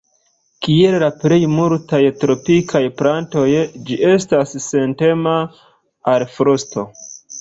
Kiel la plej multaj tropikaj plantoj, ĝi estas sentema al frosto.